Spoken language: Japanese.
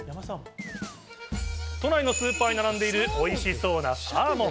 都内のスーパーに並んでるおいしそうなサーモン。